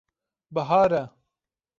Bihar e.